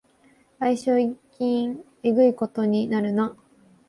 賠償金えぐいことになるな